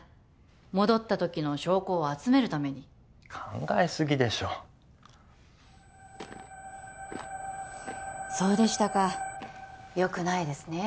戻った時の証拠を集めるために考えすぎでしょそうでしたかよくないですね